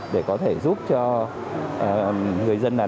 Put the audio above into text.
để có thể giúp cho bệnh nhân được chữa khỏi covid một mươi chín